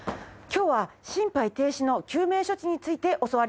今日は心肺停止の救命処置について教わります。